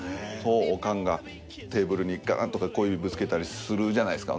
おかんがテーブルにガーンとか小指ぶつけたりするじゃないですか。